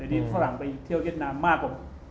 นี่ฝรั่งไปเที่ยวเวียดนามมากกว่า